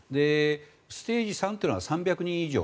ステージ３というのは３００人以上。